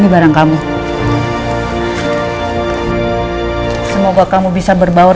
jaga diri dulu baik baik